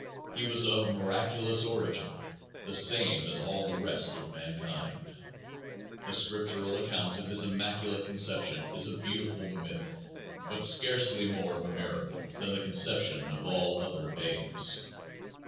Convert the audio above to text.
He was of miraculous origin the same as all the rest of mankind. The scriptural account of his "immaculate conception" is a beautiful myth, but scarcely more of a miracle than the conception of all other babes.